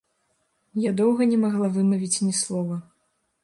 Я доўга не магла вымавіць ні слова.